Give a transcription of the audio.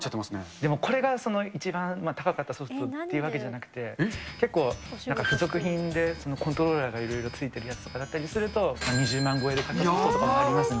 でも、これが一番高かったソフトというわけじゃなくて、結構、付属品でコントローラーがいろいろついてるやつとかだったりすると、２０万超えで買ったソフトとかもありますね。